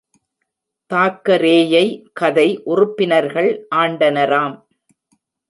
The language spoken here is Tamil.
தாக்கரேயை கதை உறுப்பினர்கள் ஆண்டனராம்.